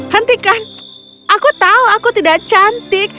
hentikan aku tahu aku tidak cantik